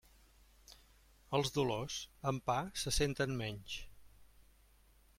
Els dolors, amb pa se senten menys.